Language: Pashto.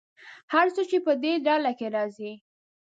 هر څه چې په دې ډله کې راځي.